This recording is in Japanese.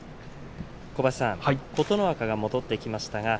琴ノ若、戻ってきました。